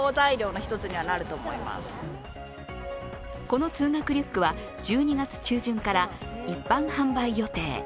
この通学リュックは１２月中旬から一般販売予定。